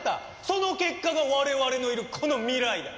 その結果が我々のいるこの未来だ。